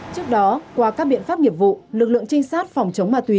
trước đó qua các biện pháp nghiệp vụ lực lượng trinh sát phòng chống ma túy